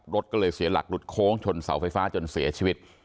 รถก็เลยเสียหลักหลุดโค้งชนเสาไฟฟ้าจนเสียชีวิต